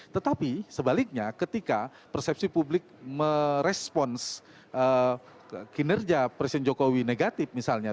tetapi sebaliknya ketika persepsi publik merespons kinerja presiden jokowi negatif misalnya